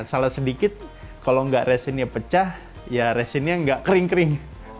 salah sedikit kalau nggak resinnya pecah ya resinnya nggak kering kering